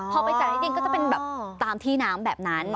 พอไปจ่ายที่ดินก็จะเป็นแบบตามที่น้ำแบบนั้น